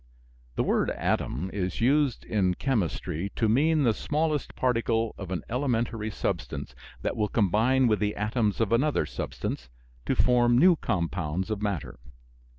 (The word "atom" is used in chemistry to mean the smallest particle of an elementary substance that will combine with the atoms of another substance to form new compounds of matter.